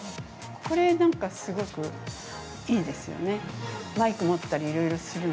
これなんか、すごくいいですよね。